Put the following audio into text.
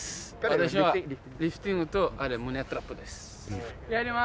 私はリフティングと胸トラップです。